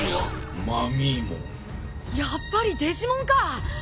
やっぱりデジモンか！